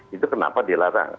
itu kenapa dilarang